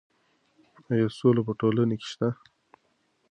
ایا سوله په ټولنه کې شته؟